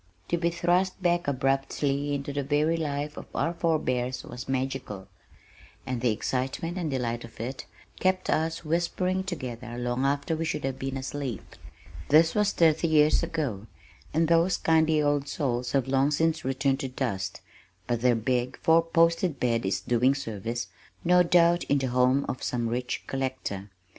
To be thrust back abruptly into the very life of our forebears was magical, and the excitement and delight of it kept us whispering together long after we should have been asleep. This was thirty years ago, and those kindly old souls have long since returned to dust, but their big four posted bed is doing service, no doubt, in the home of some rich collector.